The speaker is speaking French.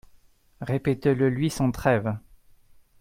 Répétez-le lui sans trêve.